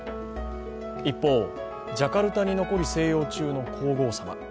一方、ジャカルタに残る静養中の皇后さま。